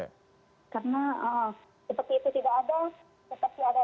karena seperti itu tidak ada